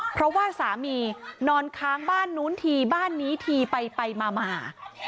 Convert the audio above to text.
เพราะว่าสามีนอนค้างบ้านนู้นทีบ้านนี้ทีไปมา